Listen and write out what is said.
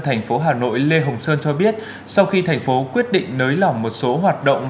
thành phố hà nội lê hồng sơn cho biết sau khi thành phố quyết định nới lỏng một số hoạt động